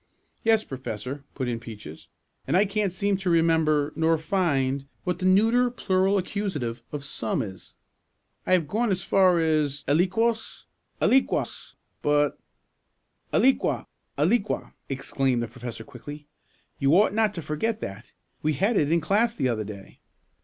"Yes, Professor," put in Peaches. "And I can't seem to remember, nor find, what the neuter plural accusative of 'some' is. I have gone as far as aliquos aliquas, but " "Aliqua aliqua!" exclaimed the Professor quickly. "You ought not to forget that. We had it in class the other day."